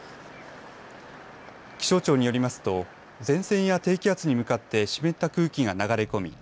気象庁によりますと前線や低気圧に向かって湿った空気が流れ込み